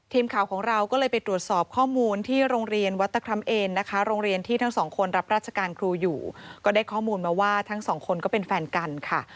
ทีมข่าวของเราก็เลยไปตรวจสอบข้อมูลที่โรงเรียนวัตกรรมเอนนะคะโรงเรียนที่ทั้งสองคนรับราชการครูอยู่ก็ได้ข้อมูลมาว่าทั้งสองคนก็เป็นแฟนกันค่ะ